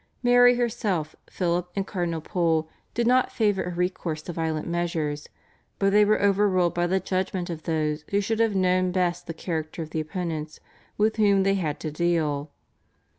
Mary herself, Philip, and Cardinal Pole did not favour a recourse to violent measures, but they were overruled by the judgment of those who should have known best the character of the opponents with whom they had to deal.